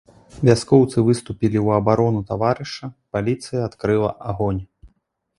Вяскоўцы выступілі ў абарону таварыша, паліцыя адкрыла агонь.